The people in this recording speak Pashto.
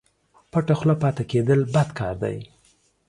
پټه خوله پاته کېدل بد کار دئ